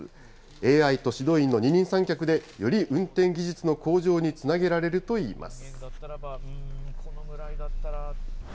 ＡＩと指導員の二人三脚で、より運転技術の向上につなげられるといいます。